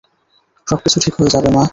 সবকিছু ঠিক হয়ে যাবে, মা!